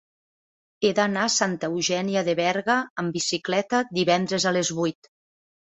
He d'anar a Santa Eugènia de Berga amb bicicleta divendres a les vuit.